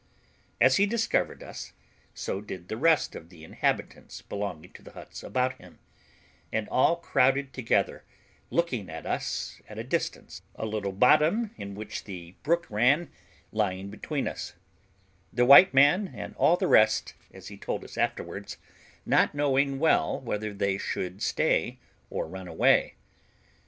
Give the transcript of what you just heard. As he discovered us, so did the rest of the inhabitants belonging to the huts about him, and all crowded together, looking at us at a distance, a little bottom, in which the brook ran, lying between us; the white man, and all the rest, as he told us afterwards, not knowing well whether they should stay or run away.